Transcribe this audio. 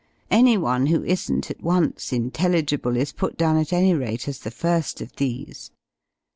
Anyone who isn't at once intelligible is put down at any rate as the fir^ of these.